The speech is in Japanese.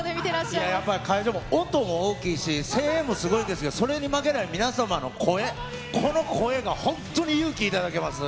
いや、やっぱり、会場も、音も大きいし、声援もすごいんですが、それに負けない皆様の声、この声が本当に勇気頂けます。